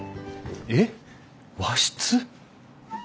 えっ和室？